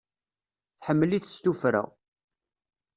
Tḥemmel-it s tuffra.